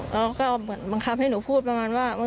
เราก็เหมือนบังคับให้หนูพูดประมาณว่า